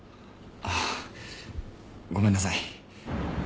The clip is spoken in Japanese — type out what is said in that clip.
あっごめんなさい。